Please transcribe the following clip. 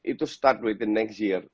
itu mulai next year